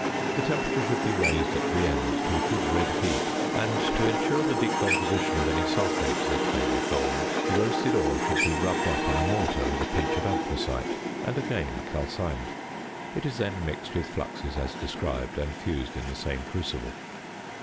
The temperature should be raised at the end to a good red heat; and (to ensure the decomposition of any sulphate that may be formed) the roasted ore should be rubbed up in a mortar with a pinch of anthracite, and again calcined. It is then mixed with fluxes as described, and fused in the same crucible.